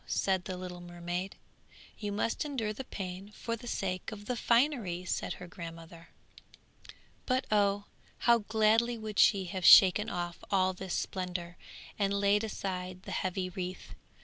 said the little mermaid. 'You must endure the pain for the sake of the finery!' said her grandmother. But oh! how gladly would she have shaken off all this splendour, and laid aside the heavy wreath.